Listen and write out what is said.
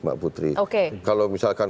mbak putri kalau misalkan